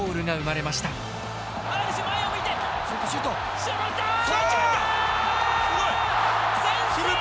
すごい！